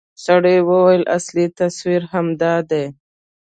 سړي وويل اصلي تصوير همدا دى.